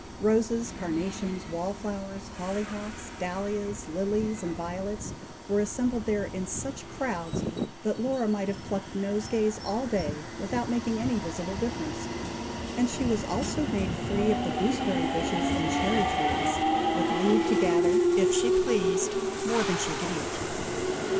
Roses, carnations, wall flowers, holly hocks, dahlias, lilies, and violets, were assembled there in such crowds, that Laura might have plucked nosegays all day, without making any visible difference; and she was also made free of the gooseberry bushes and cherry trees, with leave to gather, if she pleased, more than she could eat.